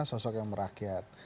sosok yang merakyat